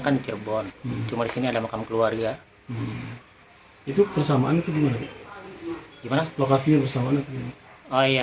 kan cirebon cuma di sini ada makam keluarga itu persamaan itu gimana lokasi persamaan oh iya